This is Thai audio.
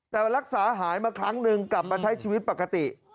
แต่รักษาหายมาครั้งหนึ่งกลับมาใช้ชีวิตปกติ